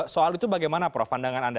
soal itu bagaimana prof pandangan anda